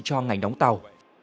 cho ngành đóng tàu